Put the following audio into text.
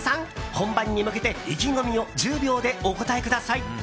本番に向けて、意気込みを１０秒でお答えください。